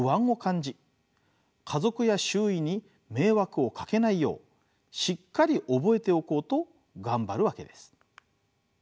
家族や周囲に迷惑をかけないようしっかり覚えておこうと頑張るわけです。